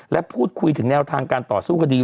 และพูดคุยถึงแนวทางการต่อสู้คดี